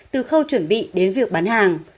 từ khâu chuẩn bị đến việc bán hàng